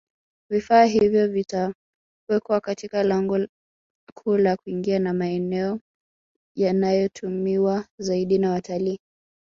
Vifaa hivyo vitawekwa Katika lango kuu la kuingilia na maeneo yanayotumiwa zaidi na watalii